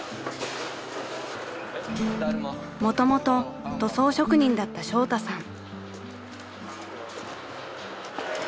［もともと塗装職人だったショウタさん］